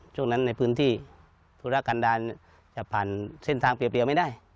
ช่วงนั้นในพื้นที่ธุระกันดาลจะผ่านเส้นทางเปรียบไม่ได้